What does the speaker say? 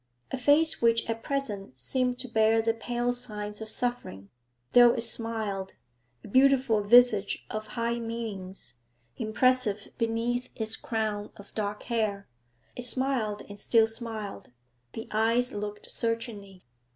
A face which at present seemed to bear the pale signs of suffering, though it smiled; a beautiful visage of high meanings, impressive beneath its crown of dark hair. It smiled and still smiled; the eyes looked searchingly.